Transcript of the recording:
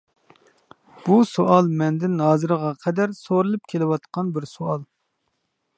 بۇ سوئال مەندىن ھازىرغا قەدەر سورىلىپ كېلىۋاتقان بىر سوئال.